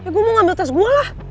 gue mau ngambil tas gue lah